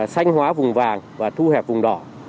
xanh hóa vùng vàng và thu hẹp vùng đỏ